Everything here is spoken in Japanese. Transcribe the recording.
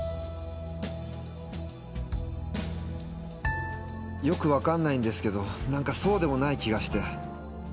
よく分かんないんですけど何かそうでもない気がして。